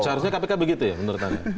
seharusnya kpk begitu ya menurut anda